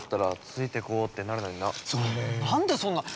何でそんなっ！